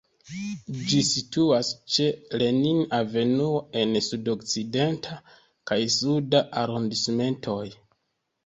Ĝi situas ĉe Lenin-avenuo en Sud-Okcidenta kaj Suda arondismentoj.